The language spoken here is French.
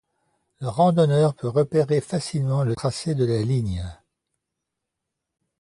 Le randonneur peut repérer facilement le tracé de la ligne.